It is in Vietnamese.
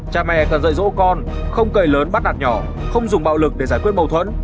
cha mẹ cần dạy dỗ con không cầy lớn bắt đạt nhỏ không dùng bạo lực để giải quyết mâu thuẫn